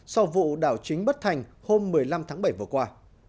sau vụ đảo chính bất thành hôm một mươi năm tháng bảy vừa qua